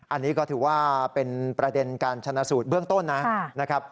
อันนี้ก็ถือว่าเป็นประเด็นการชนะสูตรเบื้องต้นนะครับ